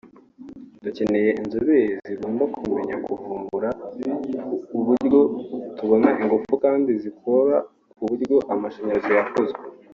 dukeneye inzobere zigomba kumenya kuvumbura uburyo tubona ingufu kandi zigakora ku buryo amashanyarazi yakozwe